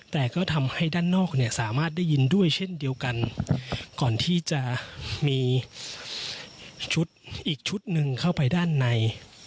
แต่ก็ทำให้ด้านนอกเนี่ยสามารถได้ยินด้วยเช่นเดียวกันก่อนที่จะมีชุดอีกชุดหนึ่งเข้าไปด้านใน